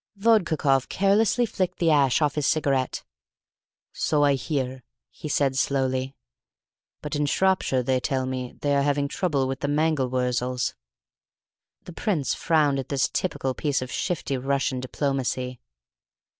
Vodkakoff carelessly flicked the ash off his cigarette. "So I hear," he said slowly. "But in Shropshire, they tell me, they are having trouble with the mangel wurzels." The prince frowned at this typical piece of shifty Russian diplomacy.